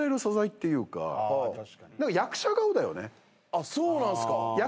あっそうなんすか？